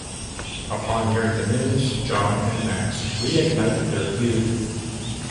Upon hearing the news, John and Max reignite their feud.